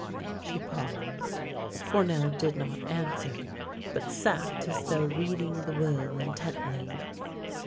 She paused. Fournel did not answer, but sat as though reading the will intently.